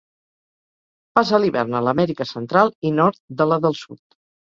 Passa l'hivern a l'Amèrica Central i nord de la del Sud.